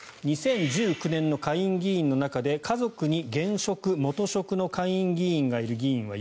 ２０１９年の下院議員の中で家族に現職・元職の下院議員がいる議員は４８人。